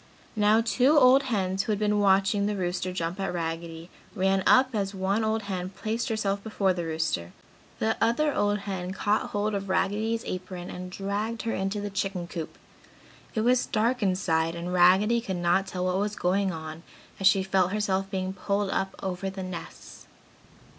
Now, two old hens who had been watching the rooster jump at Raggedy ran up and as one old hen placed herself before the rooster, the other old hen caught hold of Raggedy's apron and dragged her into the chicken coop. It was dark inside and Raggedy could not tell what was going on as she felt herself being pulled up over the nests.